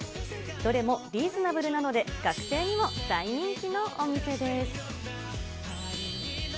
どれもリーズナブルなので、学生にも大人気のお店です。